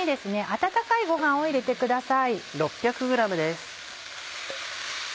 温かいごはんを入れてください。